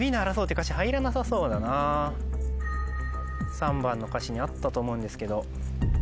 ３番の歌詞にあったと思うんですけど。